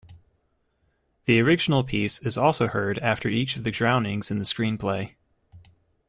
The original piece is also heard after each of the drownings in the screenplay.